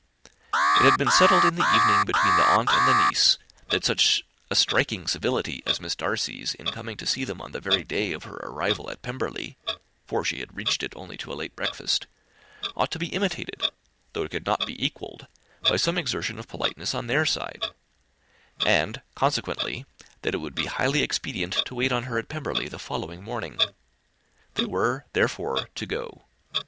It had been settled in the evening, between the aunt and niece, that such a striking civility as Miss Darcy's, in coming to them on the very day of her arrival at Pemberley for she had reached it only to a late breakfast ought to be imitated, though it could not be equalled, by some exertion of politeness on their side; and, consequently, that it would be highly expedient to wait on her at Pemberley the following morning. They were, therefore, to go.